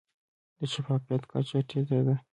د شفافیت کچه ټیټه ده.